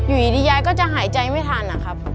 อยู่ดียายก็จะหายใจไม่ทันนะครับ